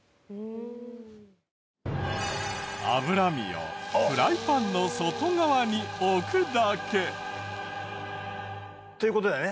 脂身をフライパンの外側に置くだけ。という事だよね。